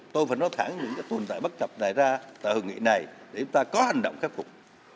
tôi phải nói thẳng những tồn tại bất cập này ra tại hội nghị này để chúng ta có hành động khắc phục